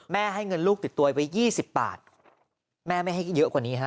ให้เงินลูกติดตัวไว้๒๐บาทแม่ไม่ให้เยอะกว่านี้ฮะ